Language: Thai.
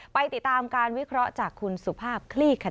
ไปติดตามการวิเคราะห์จากคุณสุภาพคลี่ขย